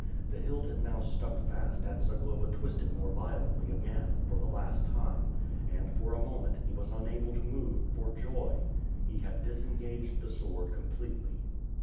The hilt had now stuck fast and Zagloba twisted more violently again, for the last time; and, for a moment, he was unable to move for joy. He had disengaged the sword completely.